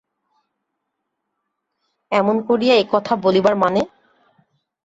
এমন করিয়া একথা বলিবার মানে?